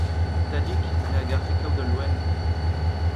Tadig, me a garfe kaout ul loen !